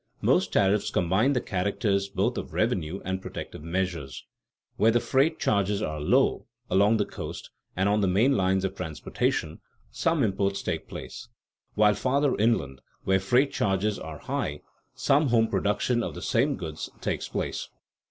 Most tariffs combine the characters both of revenue and protective measures. Where the freight charges are low along the coast and on the main lines of transportation, some imports take place; while farther inland, where freight charges are high, some home production of the same goods takes place.